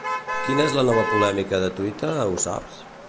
Quina és la nova polèmica de Twitter, ho saps?